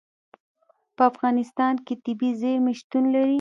په افغانستان کې طبیعي زیرمې شتون لري.